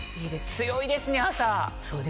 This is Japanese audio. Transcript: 強いですね朝。